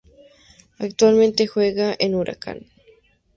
Actualmente, juega en Huracán.